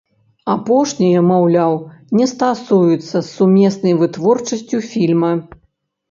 Апошняе, маўляў, не стасуецца з сумеснай вытворчасцю фільма.